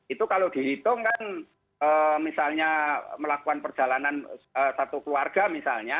itu kalau dihitung kan misalnya melakukan perjalanan satu keluarga misalnya